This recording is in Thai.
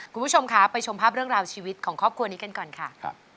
คุณผู้ชมคะไปชมภาพเรื่องราวชีวิตของครอบครัวนี้กันก่อนค่ะ